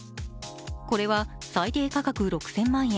これは最低価格６０００万円